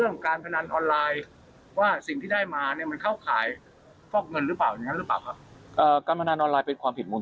นอกจากที่มาของรถคันนี้จะไม่มี